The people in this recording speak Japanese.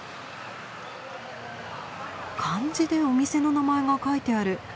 漢字でお店の名前が書いてある。